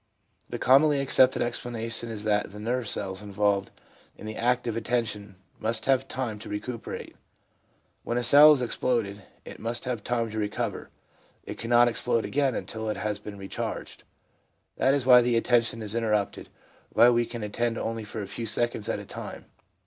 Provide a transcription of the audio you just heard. The commonly accepted explanation is that the nerve cells involved in the act of attention must have time to recuperate. ' When a cell has exploded, it must have time to recover ; it cannot explode again until it has been recharged. That is why attention is interrupted, why we can attend only for a few seconds at a time.